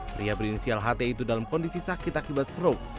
pria berinisial ht itu dalam kondisi sakit akibat stroke